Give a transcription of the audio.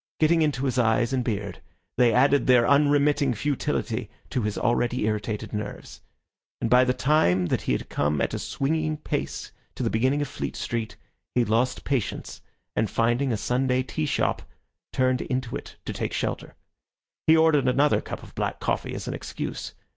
Getting into his eyes and beard, they added their unremitting futility to his already irritated nerves; and by the time that he had come at a swinging pace to the beginning of Fleet Street, he lost patience, and finding a Sunday teashop, turned into it to take shelter. He ordered another cup of black coffee as an excuse.